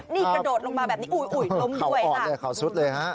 นี่กระโดดลงมาแบบนี้อุ้ยอุ้ยลงด้วยค่ะเขาออดเลยเขาสุดเลยฮะ